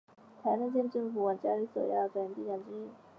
台南县政府遂将佳里糖厂列为首要转型地点之一。